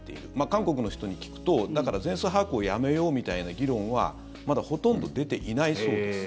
韓国の人に聞くと、全数把握をやめようみたいな議論はまだほとんど出ていないそうです。